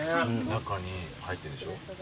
中に入ってんでしょ？